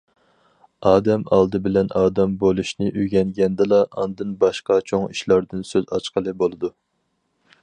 ئادەم ئالدى بىلەن ئادەم بولۇشنى ئۆگەنگەندىلا، ئاندىن باشقا چوڭ ئىشلاردىن سۆز ئاچقىلى بولىدۇ.